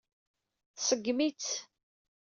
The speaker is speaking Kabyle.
Tṣeggem-itt.